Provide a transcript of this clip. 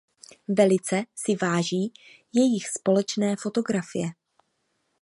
Velice si váží jejich společné fotografie.